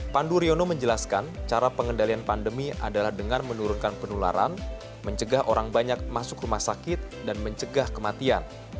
pandu riono menjelaskan cara pengendalian pandemi adalah dengan menurunkan penularan mencegah orang banyak masuk rumah sakit dan mencegah kematian